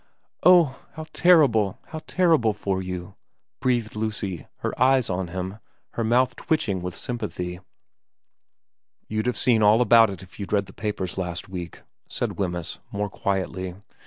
' Oh, how terrible how terrible for you,' breathed Lucy, her eyes on his, her mouth twitching with sympathy. * You'd have seen all about it if you had read the 20 VERA n papers last week,' said Wemyss, more quietly.